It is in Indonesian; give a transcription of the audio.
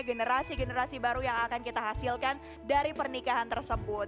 generasi generasi baru yang akan kita hasilkan dari pernikahan tersebut